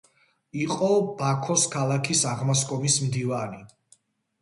იყო ბაქოს ქალაქის აღმასკომის მდივანი.